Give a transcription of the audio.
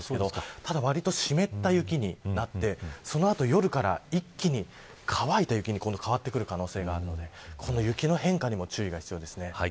ただ、わりと湿った雪になってそのあと夜から一気に乾いた雪に変わってくる可能性があるので雪の変化にも注意が必要です。